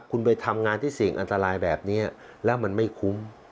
คุณไปทำงานที่เสี่ยงอันตรายแบบนี้แล้วมันไม่คุ้ม